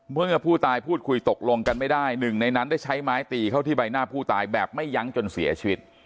เมื่อผู้ตายพูดคุยตกลงกันไม่ได้หนึ่งในนั้นได้ใช้ไม้ตีเข้าที่ใบหน้าผู้ตายแบบไม่ยั้งจนเสียชีวิต